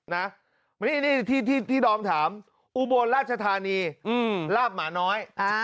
นี่ที่ดอมถามอุบลราชธานีลาบหมาน้อย